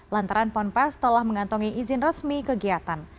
lantaran ponpes telah mengantongi izin resmi kegiatan